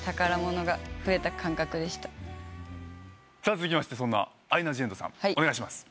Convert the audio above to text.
続きましてそんなアイナ・ジ・エンドさんお願いします。